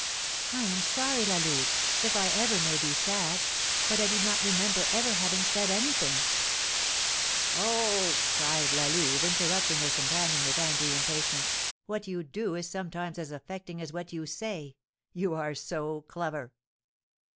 "I am sorry, La Louve, if I ever made you sad; but I do not remember ever having said anything " "Oh," cried La Louve, interrupting her companion with angry impatience, "what you do is sometimes as affecting as what you say! You are so clever!"